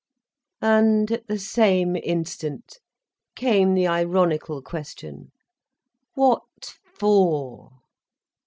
And at the same instant, came the ironical question: "What for?"